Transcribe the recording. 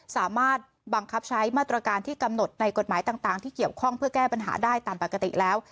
สามารถบังคับใช้มาตรการที่กำหนดในกฎหมายต่างที่เกี่ยวข้องเพื่อแก้ปัญหาได้ตามปกติแล้ว